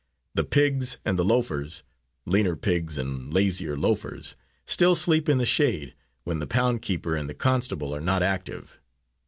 The pigs and the loafers leaner pigs and lazier loafers still sleep in the shade, when the pound keeper and the constable are not active.